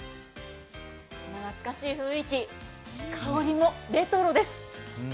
この懐かしい雰囲気香りもレトロです。